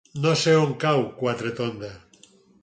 No sé on cau Quatretonda.